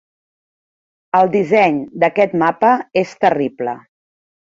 El disseny d'aquest mapa és terrible.